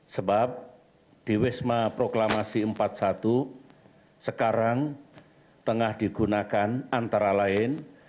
sebab di wisma proklamasi empat puluh satu sekarang tengah digunakan antara lain